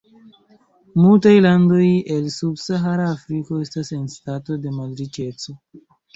Multaj landoj el subsahara Afriko estas en stato de malriĉeco.